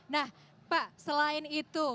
nah pak selain itu